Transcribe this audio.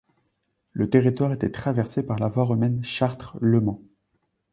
Le territoire était traversé par la voie romaine Chartres - Le Mans.